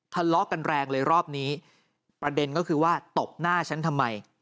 ทะเลาะกันแรงเลยรอบนี้ประเด็นก็คือว่าตบหน้าฉันทำไม